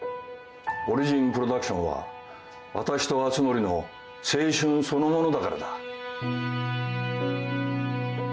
オリジン・プロダクションは私と熱護の青春そのものだからだ。